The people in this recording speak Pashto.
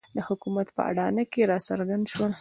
د حکومت په اډانه کې راڅرګند شول.